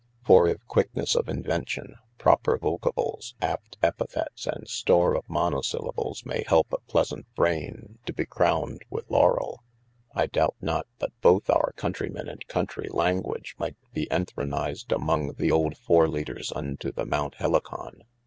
For if quicknes of invencion, proper vocables, apt Epythetes, and store of monasillables may help a pleasant brayne to be crowned with Lawrell. I doubt not but both our countreymen & countrie language might be entronised amonge the olde foreleaders unto the mount Helicon.